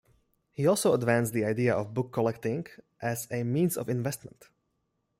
He also advanced the idea of book collecting as a means of investment.